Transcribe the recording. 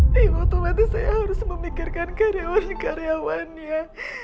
di waktu mati saya harus memikirkan karyawan karyawannya